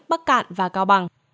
bắc cạn và cao bằng